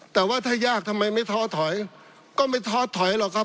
แต่ว่าถ้ายากทำไมไม่ท้อถอยก็ไม่ท้อถอยหรอกครับ